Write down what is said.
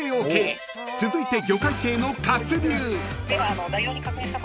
［続いて魚介系の活龍］